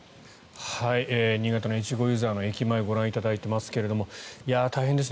新潟の越後湯沢の駅前をご覧いただいていますが大変ですね。